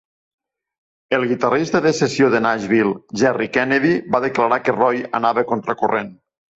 El guitarrista de sessió de Nashville, Jerry Kennedy, va declarar que Roy anava contracorrent.